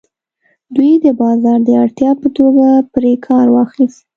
دوی د بازار د اړتیا په توګه پرې کار واخیست.